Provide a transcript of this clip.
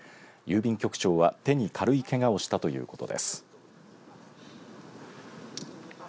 郵便局長は、手に軽いけがをしたということです。